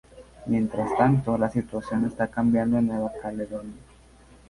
Mientras tanto, la situación está cambiando en Nueva Caledonia.